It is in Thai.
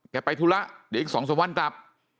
ไปธุระเดี๋ยวอีก๒๓วันกลับ